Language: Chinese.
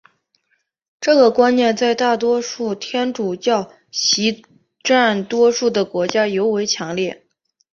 这个观念在大多数天主教徒占多数的国家尤为强烈。